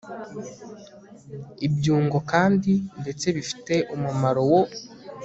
ibyungo kandi, ndetse bifite umumaro wo